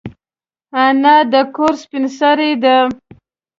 انا د کور سپین سرې ده